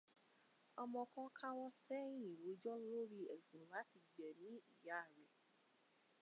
Ọmọ kan káwọ́ sẹ́yìn rojọ́ lórí ẹ̀sùn láti gbẹ̀mí ìyá rẹ̀.